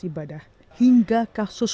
ibadah hingga kasus